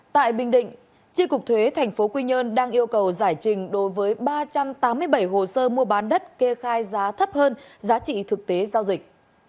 tại bình định tri cục thuế tp quy nhơn đang yêu cầu giải trình đối với ba trăm tám mươi bảy hồ sơ mua bán đất kê khai giá thấp hơn giá trị thực tế giao dịch